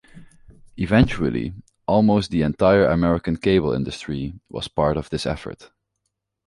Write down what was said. Eventually, "almost the entire American cable industry" was part of this effort.